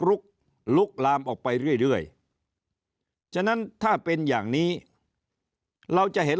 ลุกลุกลามออกไปเรื่อยฉะนั้นถ้าเป็นอย่างนี้เราจะเห็น